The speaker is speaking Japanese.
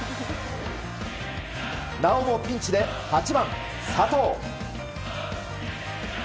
なおもピンチで８番、佐藤。